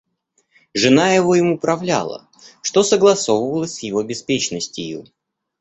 Жена его им управляла, что согласовалось с его беспечностию.